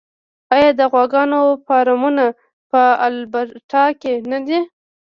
آیا د غواګانو فارمونه په البرټا کې نه دي؟